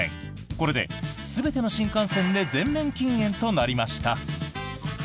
これで全ての新幹線で全面禁煙となりました。